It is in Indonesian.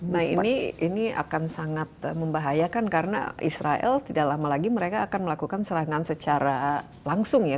nah ini akan sangat membahayakan karena israel tidak lama lagi mereka akan melakukan serangan secara langsung ya